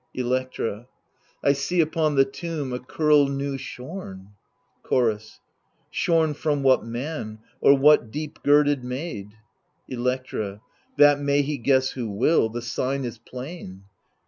Electra I see upon the tomb a curl new shorn. Chorus Shorn from what man or what deep girded maid ? Electra That may he guess who will ; the sign is plain.